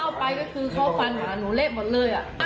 ตอนนี้ขอเอาผิดถึงที่สุดยืนยันแบบนี้